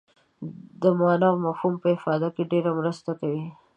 د معنا او مفهوم په افاده کې ډېره مرسته کوي.